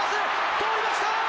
通りました！